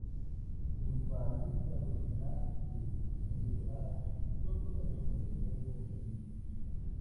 Junto a Luis Carlos Galán y Rodrigo Lara, fue fundador del Nuevo Liberalismo.